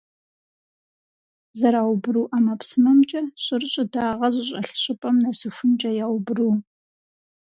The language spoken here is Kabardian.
Зэраубру ӀэмэпсымэмкӀэ щӀыр щӀыдагъэ зыщӀэлъ щӀыпӀэм нэсыхункӀэ яубру.